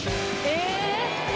え！